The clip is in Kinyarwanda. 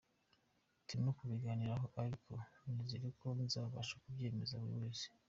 Turimo kubiganiraho ariko nizeye ko nzabasha kubyemeza buri wese.